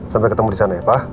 sampai ketemu di sana ya pak